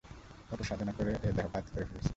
কঠোর সাধনা করে এ দেহ পাত করে ফেলেছি।